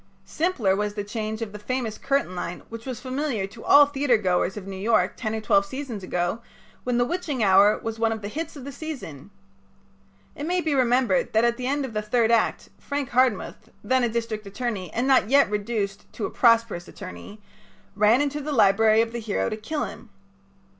Simpler was the change of the famous curtain line which was familiar to all theatergoers of New York ten or twelve seasons ago when "The Witching Hour" was one of the hits of the season. It may be remembered that at the end of the third act Frank Hardmuth, then a district attorney and not yet reduced to a prosperous attorney, ran into the library of the hero to kill him.